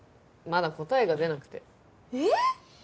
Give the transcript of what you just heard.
まだ答えが出なくてええっ！？